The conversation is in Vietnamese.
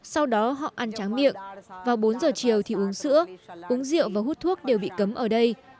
sau đó họ ăn tráng miệng vào bốn giờ chiều thì uống sữa uống rượu và hút thuốc đều bị cấm ở đây